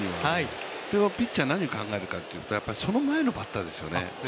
ピッチャー何を考えるかいうとその前のバッターですよね。